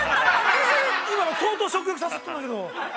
今の相当食欲誘ったんだけど。